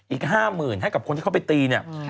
อีก๕๐๐๐ให้กับคนที่เขาไปตีเนี่ย